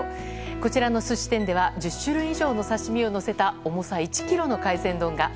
こちらの寿司店では１０種類以上の刺身をのせた重さ１ｋｇの海鮮丼が。